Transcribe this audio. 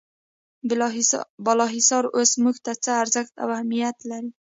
بالا حصارونه اوس موږ ته څه ارزښت او اهمیت لري.